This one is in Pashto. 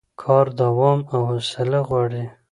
کار دوام او حوصله غواړي